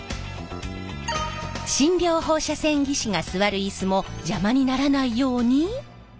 診療放射線技師が座るイスも邪魔にならないように。